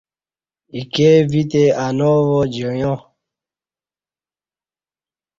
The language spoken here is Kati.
ایکے ویتے اناو وا جعیا۔